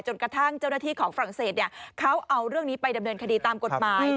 กระทั่งเจ้าหน้าที่ของฝรั่งเศสเขาเอาเรื่องนี้ไปดำเนินคดีตามกฎหมาย